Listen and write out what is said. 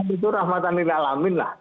itu rahmatanilalamin lah